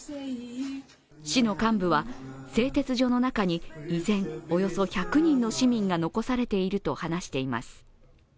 市の幹部は、製鉄所の中に依然およそ１００人の市民が残されていると話しています。